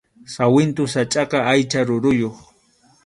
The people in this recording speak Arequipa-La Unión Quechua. Sawintu sachʼaqa aycha ruruyuq